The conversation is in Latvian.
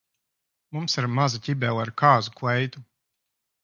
Mums ir maza ķibele ar kāzu kleitu.